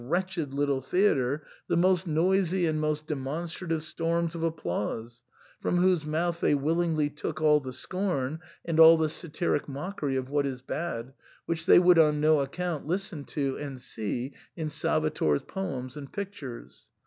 wretched little theatre, the most noisy and most de monstrative storms of applause, from whose mouth they willingly took all the scorn, and all the satiric mockery of what is bad, which they would on no ac count listen to and see in Salvator's poems and pictures.